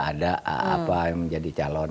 ada apa yang menjadi calon